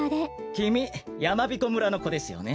きみやまびこ村のこですよね。